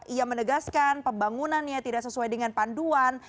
ia menegaskan pembangunannya tidak sesuai dengan panduan